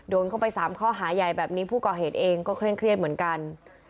โดนเข้าไป๓ข้อหาใหญ่แบบนี้ผู้ก่อเหตุเองก็เคร่งเครียดเหมือนกัน